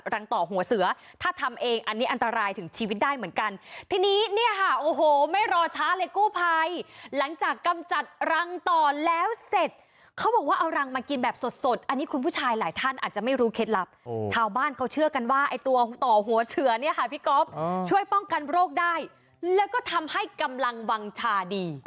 ต่อหัวเสือถ้าทำเองอันนี้อันตรายถึงชีวิตได้เหมือนกันทีนี้เนี่ยค่ะโอ้โหไม่รอช้าเลยกู้ภัยหลังจากกำจัดรังต่อแล้วเสร็จเขาบอกว่าเอารังมากินแบบสดสดอันนี้คุณผู้ชายหลายท่านอาจจะไม่รู้เคล็ดลับชาวบ้านเขาเชื่อกันว่าไอ้ตัวต่อหัวเสือเนี่ยค่ะพี่ก๊อฟช่วยป้องกันโรคได้แล้วก็ทำให้กำลังวางชาดี